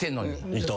伊藤。